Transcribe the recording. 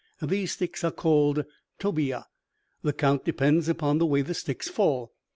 These sticks are called "Toh be ya." The count depends upon the way the sticks fall.